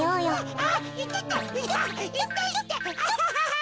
アハハハ。